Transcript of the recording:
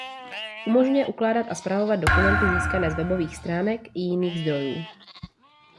Umožňuje ukládat a spravovat dokumenty získané z webových stránek i jiných zdrojů.